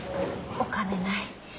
お金ない。